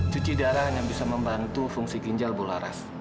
cuci darah hanya bisa membantu fungsi ginjal bu laras